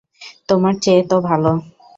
তোমার চেয়ে তো ভাল।